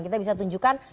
kita bisa tunjukkan